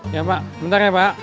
ya pak bentar ya pak